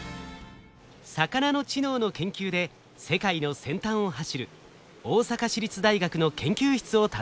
魚の知能の研究で世界の先端を走る大阪市立大学の研究室を訪ねました。